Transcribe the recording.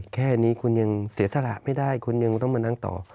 แค่นี้คุณยังเสียสละไม่ได้คุณยังต้องมานั่งต่อ